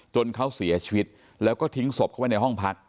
จนเขาเสียชีวิตแล้วก็ทิ้งศพเข้าไปในห้องพัก